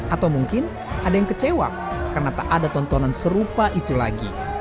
atau mungkin ada yang kecewa karena tak ada tontonan serupa itu lagi